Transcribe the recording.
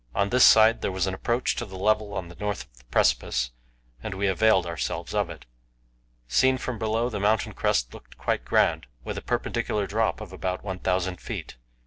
On this side there was an approach to the level on the north of the precipice, and we availed ourselves of it. Seen from below the mountain crest looked quite grand, with a perpendicular drop of about 1,000 feet.